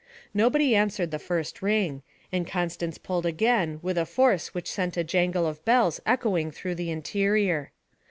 Nobody answered the first ring, and Constance pulled again with a force which sent a jangle of bells echoing through the interior.